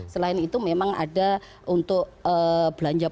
selain itu memang ada untuk belanja